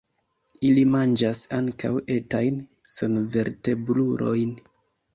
Ili manĝas ankaŭ etajn senvertebrulojn.